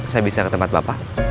saya bisa ke tempat bapak